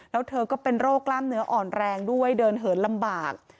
แล้วเธอก็เป็นโรคกล้ามเนื้ออ่อนแรงด้วยเดินเหินลำบาก